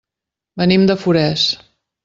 Venim de Forès.